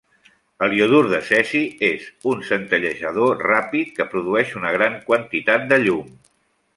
El Iodur de cesi és un centellejador ràpid que produeix una gran quantitat de llum.